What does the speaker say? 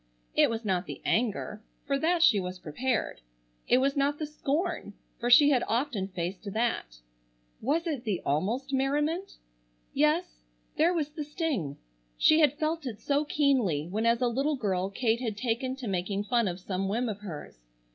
It was not the anger,—for that she was prepared. It was not the scorn, for she had often faced that. Was it the almost merriment? Yes, there was the sting. She had felt it so keenly when as a little girl Kate had taken to making fun of some whim of hers.